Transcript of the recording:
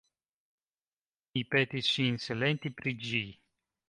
Mi petis ŝin silenti pri ĝi.